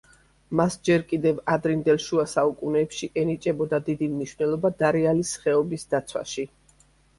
მას ჯერ კიდევ ადრინდელ შუა საუკუნეებში ენიჭებოდა დიდი მნიშვნელობა დარიალის ხეობის დაცვაში.